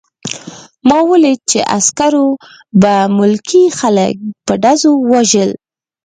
ما ولیدل چې عسکرو به ملکي خلک په ډزو وژل